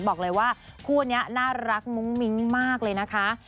บอกเลยว่าคู่นี้น่ารักมุ้งมิ้งมากเลยนะคะ